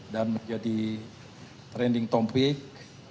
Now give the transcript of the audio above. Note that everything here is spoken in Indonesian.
dan menjadi trending topic